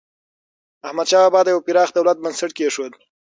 احمدشاه بابا د یو پراخ دولت بنسټ کېښود.